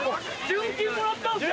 ・純金もらったんですよ！